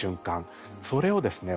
それをですね